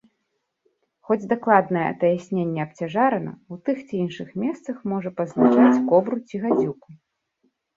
Хоць дакладнае атаясненне абцяжарана, у тых ці іншых месцах можа пазначаць кобру ці гадзюку.